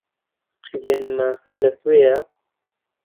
قیبلەنماکە لەکوێیە؟